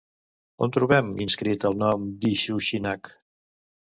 On trobem inscrit el nom d'Inshushinak?